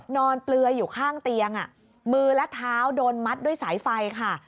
เปลือยอยู่ข้างเตียงมือและเท้าโดนมัดด้วยสายไฟค่ะ